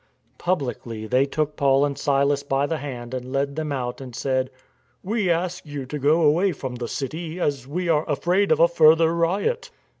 Publicly they took Paul and Silas by the hand and led them out, and said: " We ask you to go away from the city, as we are afraid of a further riot."